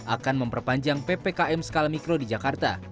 akan memperpanjang ppkm skala mikro di jakarta